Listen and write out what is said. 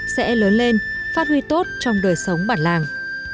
sẽ lớn lên phát huy tốt trong đời sống bản làng